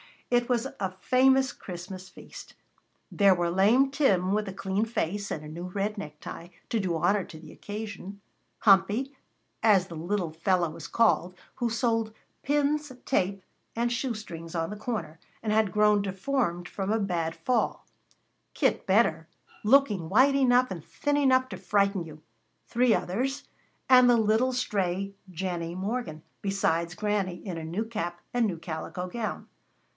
It was a famous Christmas feast. There were lame Tim with a clean face, and a new red necktie to do honor to the occasion; Humpy, as the little fellow was called, who sold pins, tape, and shoe strings on the corner, and had grown deformed from a bad fall; Kit Benner, looking white enough and thin enough to frighten you; three others, and the little stray Jennie Morgan, besides Granny, in a new cap and new calico gown.